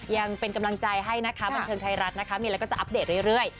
ยังเป็นกำลังใจให้นะคะบันเทิงไทยรัฐนะคะมีอะไรก็จะอัปเดตเรื่อย